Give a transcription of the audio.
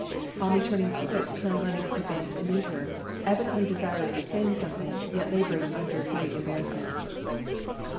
On returning to it Colonel Lennox advanced to meet her, evidently desirous of saying something, yet labouring under great embarrassment.